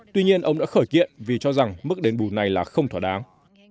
tuy nhiên ông đã khởi kiện vì cho rằng mức đền bù này là không thỏa đáng